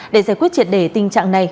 để giải quyết triệt đề tình trạng này